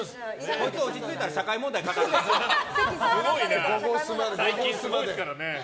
こいつ、落ち着いたら社会問題語るから。